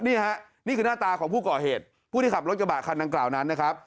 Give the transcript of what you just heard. นี่ฮะนี่คือหน้าตาของผู้ก่อเหตุผู้ที่ขับรถกระบะคันดังกล่าวนั้นนะครับ